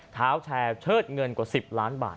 เท้าแชร์เชิดเงินกว่า๑๐ล้านบาท